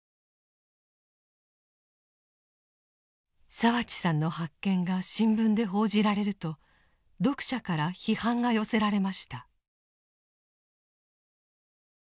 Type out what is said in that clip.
澤地さんの発見が新聞で報じられると読者から批判が寄せられました。